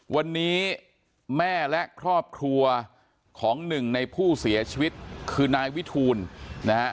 วันนี้แม่และครอบครัวของหนึ่งในผู้เสียชีวิตคือนายวิทูลนะฮะ